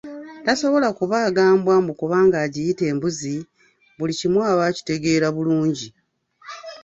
Tasobola kubaaga mbwa mbu kubanga agiyita embuzi, buli kimu aba akitegeera bulungi.